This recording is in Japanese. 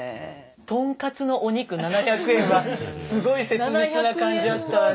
とんかつのお肉７００円はすごい切実な感じあったわね。